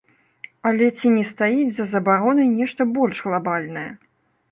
Але ці не стаіць за забаронай нешта больш глабальнае?